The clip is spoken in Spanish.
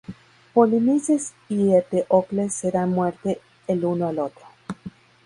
Polinices y Eteocles se dan muerte el uno al otro.